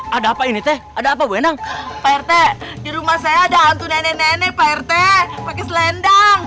ada apa ini teh ada apa benang perte di rumah saya ada hantu nenek nenek perte pakai selendang